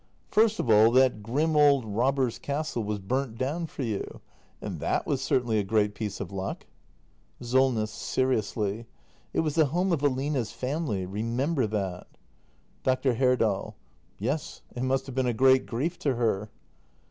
First of all that grim old robbers' castle was burnt down for you. And that was certainly a great piece of luck. Solness. [Seriously.] It was the home of Aline's family. Re member that. Dr. Herdal. Yes, it must have been a great grief to h e r.